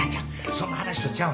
そんな話とちゃう。